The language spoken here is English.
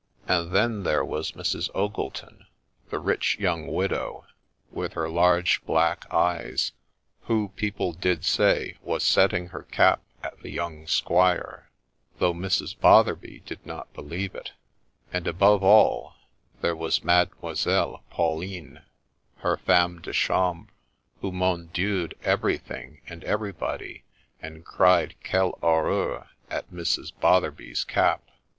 And then there was Mrs. Ogleton, the rich young widow, with her large black eyes, who, people did say, was setting her cap at the young squire, though Mrs. Botherby did not believe it ; and, above all, there was Mademoiselle Pauline, her femme de chambre, who ' mon Dieu'd ' everything and everybody, and cried ' Qud horreur !' at Mrs. Botherby's cap.